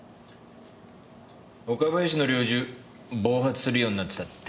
岡林の猟銃暴発するようになってたって。